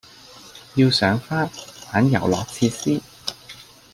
要賞花、玩遊樂設施